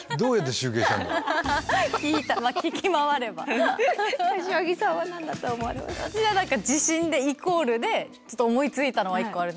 私は何か地震でイコールでちょっと思いついたのは１個ある。